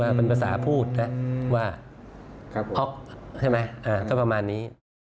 เป็นภาษาพูดนะว่าพ็อกใช่ไหมก็ประมาณนี้